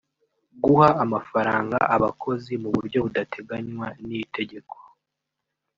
guha amafaranga abakozi mu buryo budateganywa n’itegeko